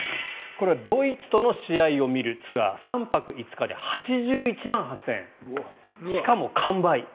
これはドイツとの試合を見るツアー３泊５日で８１万８０００円しかも完売。